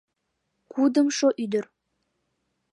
Кудымшо ӱдыр.